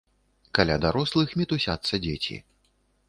Каля дарослых мітусяцца дзеці.